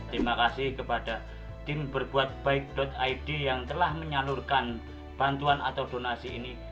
terima kasih kepada tim berbuatbaik id yang telah menyalurkan bantuan atau donasi ini